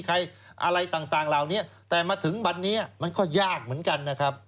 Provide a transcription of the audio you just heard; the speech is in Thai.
อะไรต่างเหล่านี้แต่มาถึงวันนี้มันก็ยากเหมือนกันนะครับ